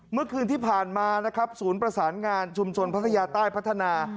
เมื่อคืนที่ผ่านมานะครับศูนย์ประสานงานชุมชนพัทยาใต้พัฒนา